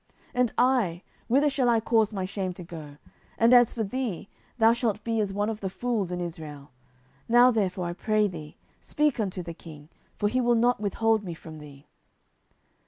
10:013:013 And I, whither shall I cause my shame to go? and as for thee, thou shalt be as one of the fools in Israel. Now therefore, I pray thee, speak unto the king; for he will not withhold me from thee.